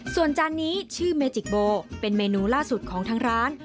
ส่วนจานนี้ชื่อเมจิกโบเป็นเมนูล่าสุดของทางร้าน